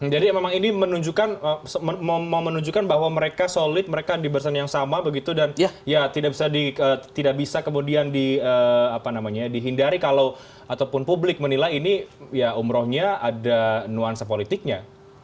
jadi memang ini menunjukkan bahwa mereka solid mereka diberikan yang sama begitu dan tidak bisa kemudian dihindari kalau ataupun publik menilai ini ya umrohnya ada nuansa politiknya